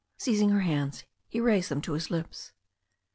Seizing her hands, he raised them to his lips.